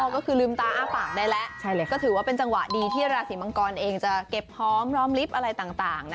ก็คือลืมตาอ้าปากได้แล้วก็ถือว่าเป็นจังหวะดีที่ราศีมังกรเองจะเก็บหอมพร้อมลิฟต์อะไรต่าง